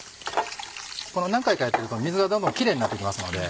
何回かやっていると水がどんどんキレイになっていきますので。